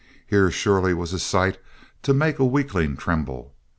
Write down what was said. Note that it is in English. Here, surely, was a sight to make a weakling tremble.